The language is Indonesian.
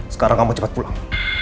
sekarang kamu cepat pulang